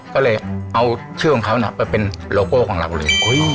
ก็เลยเอาชื่อของเขาไปเป็นโลโก้ของเราเลย